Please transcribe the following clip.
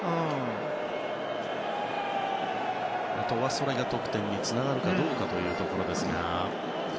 それが得点につながるかどうかというところですが。